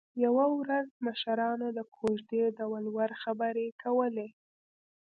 یوه ورځ مشرانو د کوژدې د ولور خبرې کولې